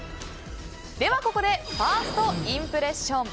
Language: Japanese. ここでファーストインプレッション。